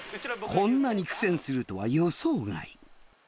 こんなに苦戦するとは予想外。